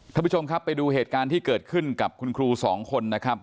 ท่านผู้ชมครับไปดูเหตุการณ์ที่เกิดขึ้นกับคุณครูสองคนนะครับ